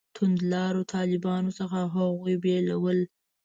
توندلارو طالبانو څخه هغوی بېلول.